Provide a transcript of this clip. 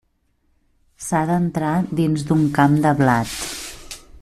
S'ha d'entrar dins d'un camp de blat.